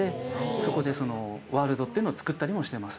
そこでそのワールドっていうのを作ったりもしてます。